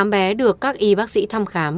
một mươi tám bé được các y bác sĩ thăm khám